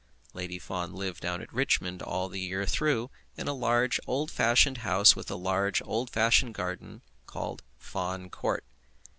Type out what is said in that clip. Lady Fawn lived down at Richmond all the year through, in a large old fashioned house with a large old fashioned garden, called Fawn Court.